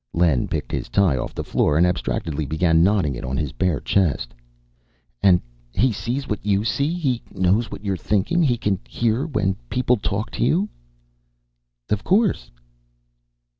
Len picked his tie off the floor and abstractedly began knotting it on his bare chest. "And he sees what you see, he knows what you're thinking, he can hear when people talk to you?" "Of course."